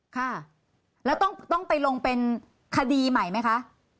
ค่ะแล้วต้องไปลงเป็นคดีใหม่ไหมคะ